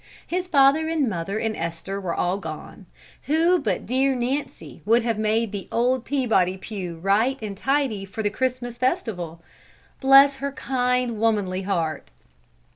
His father and mother and Esther were all gone; who but dear Nancy would have made the old Peabody pew right and tidy for the Christmas festival? Bless her kind womanly heart!